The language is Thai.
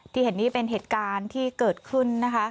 เห็นนี่เป็นเหตุการณ์ที่เกิดขึ้นนะคะ